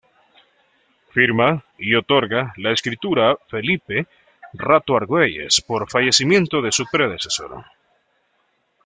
Firma y otorga la escritura Felipe Rato Argüelles por fallecimiento de su predecesor.